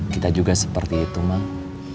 kita juga seperti itu mah